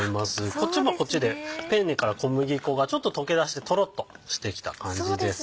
こっちもこっちでペンネから小麦粉がちょっと溶け出してとろっとしてきた感じですね。